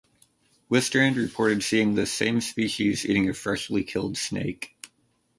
Wistrand reported seeing this same species eating a freshly killed snake.